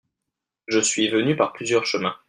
Je suis venu par plusieurs chemins.